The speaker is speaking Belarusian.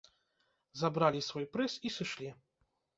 Забралі свой прыз і сышлі!